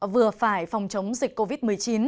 vừa phải phòng chống dịch covid một mươi chín